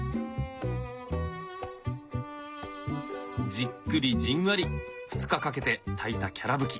じっくりじんわり２日かけて炊いたきゃらぶき。